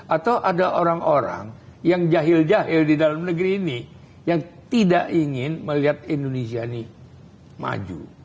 atau ada orang orang yang jahil jahil di dalam negeri ini yang tidak ingin melihat indonesia ini maju